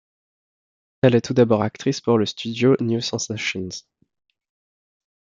Elle est tout d'abord actrice pour le studio New Sensations.